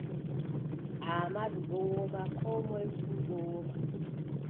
Aamadu ɗon woma Koo moy fuu ɗon woma.